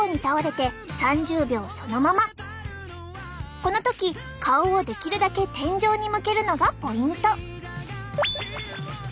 この時顔をできるだけ天井に向けるのがポイント。